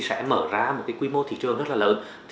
sẽ mở ra một quy mô thị trường rất lớn